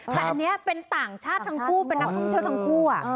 แต่อันนี้เป็นต่างชาติทั้งคู่เป็นนักท่องเที่ยวทั้งคู่